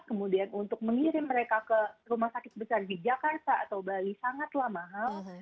kemudian untuk mengirim mereka ke rumah sakit besar di jakarta atau bali sangatlah mahal